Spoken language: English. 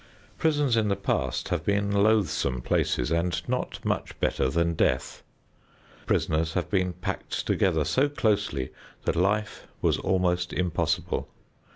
Prisons in the past have been loathsome places and not much better than death. Prisoners have been packed together so closely that life was almost impossible.